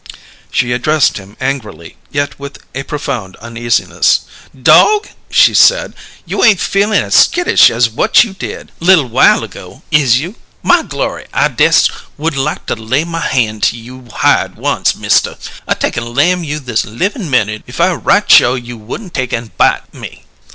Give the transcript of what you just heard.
She addressed him angrily, yet with a profound uneasiness. "Dog!" she said. "You ain't feelin' as skittish as whut you did, li'l while ago, is you? My glory! I dess would like to lay my han' to you' hide once, Mister! I take an' lam you this livin' minute if I right sho' you wouldn't take an' bite me."